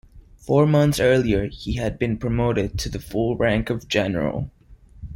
Four months earlier he had been promoted to the full rank of general.